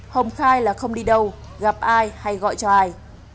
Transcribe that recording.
hồng khai là không đi đâu gặp ai hay gọi cho ai